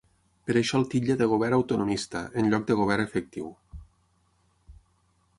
Per això el titlla de govern autonomista, en lloc de govern efectiu.